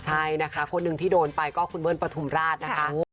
ใช่นะคะคนหนึ่งที่โดนไปก็คุณเบิ้ลปฐุมราชนะคะ